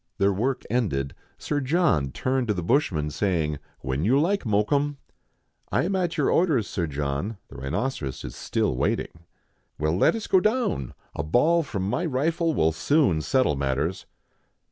Their work ended, Sir John turned to the bushman, saying, " When you like, Mokoum." " I am at your orders. Sir John : the rhinoceros is still waiting." " Well, let us go down, a ball from my rifle will soon settle matters."